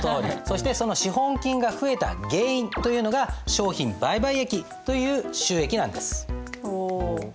そしてその資本金が増えた原因というのが商品売買益という収益なんです。